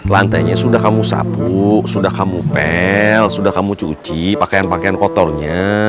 lantainya sudah kamu sapu sudah kamu pel sudah kamu cuci pakaian pakaian kotornya